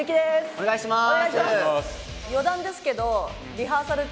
お願いします！